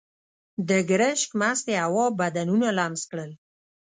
د ګرشک مستې هوا بدنونه لمس کړل.